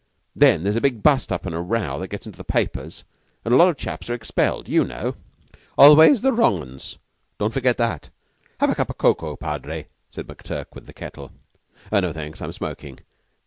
Then there's a big bust up and a row that gets into the papers, and a lot of chaps are expelled, you know." "Always the wrong un's; don't forget that. Have a cup of cocoa, Padre?" said McTurk with the kettle. "No, thanks; I'm smoking.